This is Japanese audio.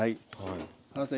原さん